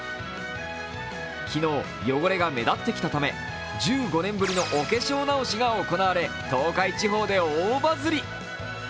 昨日、汚れが目立ってきたため１５年ぶりのお化粧直しが行われ、東海地方で大バズり。